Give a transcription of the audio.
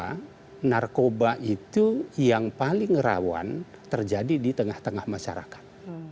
karena narkoba itu yang paling rawan terjadi di tengah tengah masyarakat